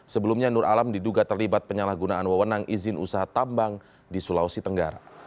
sebelumnya nur alam diduga terlibat penyalahgunaan wewenang izin usaha tambang di sulawesi tenggara